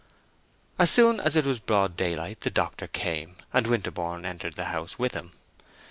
As soon as it was broad daylight the doctor came, and Winterborne entered the house with him.